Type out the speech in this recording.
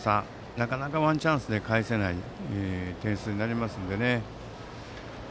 なかなかワンチャンスで返せない点数になりますのでね。